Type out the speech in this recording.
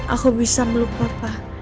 aku bisa meluk papa